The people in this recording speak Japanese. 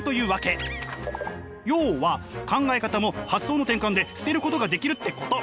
要は考え方も発想の転換で捨てることができるってこと。